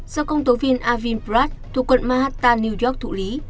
do công tố viên arvin pratt thuộc quận manhattan new york thụ lý